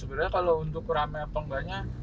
sebenarnya kalau untuk rame apa enggaknya